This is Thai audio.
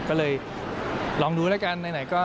ก็เลยลองดูแล้วกันไหนก็